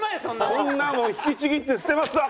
こんなもん引きちぎって捨てますわ！